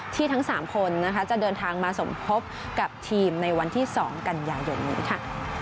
ที่ทั้ง๓คนจะเดินทางมาสมพบกับทีมในวันที่๒กันอย่างนี้ค่ะ